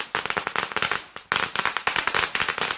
โชคมีราบกับแม่